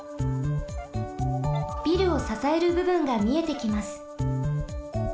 ビルをささえるぶぶんがみえてきます。